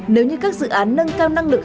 nếu như các dự án nâng cao năng lực